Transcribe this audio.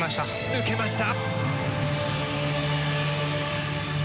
抜けました。